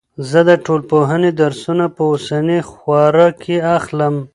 زه د ټولنپوهنې درسونه په اوسنۍ خوره کې اخلم.